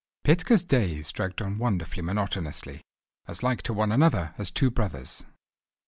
Petka's days dragged on wonderfully monotonously, as like to one another as two brothers.